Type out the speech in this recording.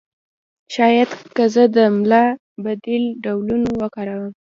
شاید که زه د املا بدیل ډولونه وکاروم